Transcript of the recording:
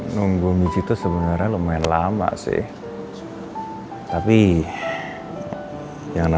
lo tau dari mana